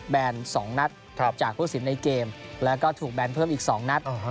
แบนสองนัดครับจากผู้สินในเกมแล้วก็ถูกแบนเพิ่มอีกสองนัดอ๋อฮะ